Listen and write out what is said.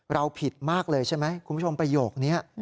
ผิดมากเลยใช่ไหมคุณผู้ชมประโยคนี้